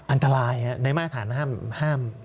อันตรายในมาตรฐานห้าม